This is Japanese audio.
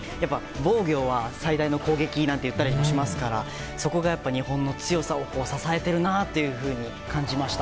防御は最大の攻撃なんて言ったりしますからそこがやっぱり日本の強さを支えているなと感じました。